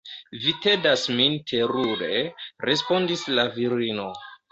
Vi tedas min terure, respondis la virino.